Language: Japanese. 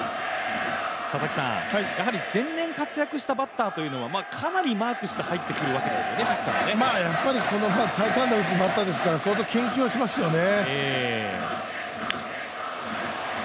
前年活躍したバッターというのは、かなりマークして入ってくるわけですね、ピッチャーがやっぱり最多安打ですし、相当研究しますよね。